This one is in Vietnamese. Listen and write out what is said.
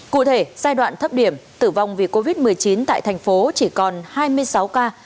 cụ thể giai đoạn thấp điểm tử vong vì covid một mươi chín tại thành phố chỉ còn hai mươi sáu ca